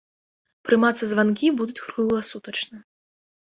Прымацца званкі будуць кругласутачна.